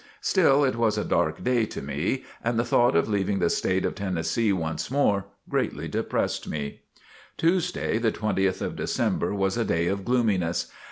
Still it was a dark day to me, and the thought of leaving the state of Tennessee once more, greatly depressed me. Tuesday, the 20th of December, was a day of gloominess.